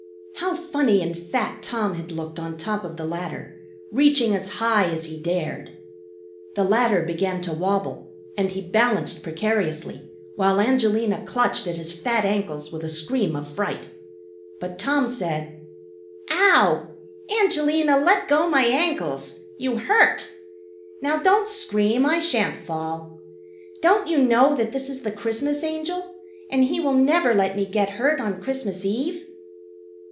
How funny and fat Tom had looked on top of the ladder, reaching as high as he dared! The ladder began to wobble, and he balanced precariously, while Angelina clutched at his fat ankles with a scream of fright. But Tom said: "Ow! Angelina, let go my ankles! You hurt! Now don't scream. I shan't fall. Don't you know that this is the Christmas Angel, and he will never let me get hurt on Christmas Eve?"